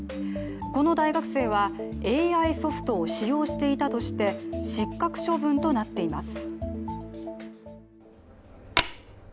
この大学生はＡＩソフトを使用していたとして失格処分となっています。